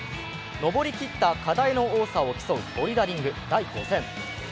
登り切った課題の多さを競うボルダリング第５戦。